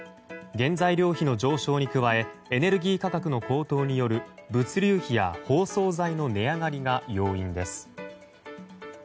原材料費の上昇に加えエネルギー価格の高騰による物流費や包装材の値上がりが要因です。